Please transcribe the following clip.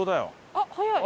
あっ早い！